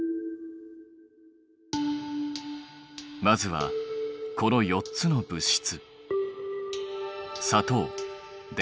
まずはこの４つの物質。